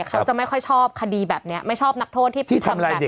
เขาจะไม่ค่อยชอบคดีแบบนี้ไม่ชอบนักโทษที่ทำแบบนี้